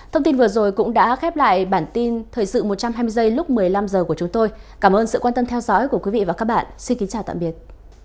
thông tin vừa rồi cũng đã khép lại bản tin thời sự một trăm hai mươi giây lúc một mươi năm h của chúng tôi cảm ơn sự quan tâm theo dõi của quý vị và các bạn xin kính chào tạm biệt